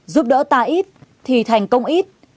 giúp đỡ ta ít thì thành công ít